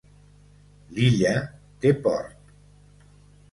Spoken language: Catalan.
L'illa té port.